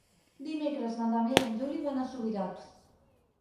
Dimecres na Damià i en Juli van a Subirats.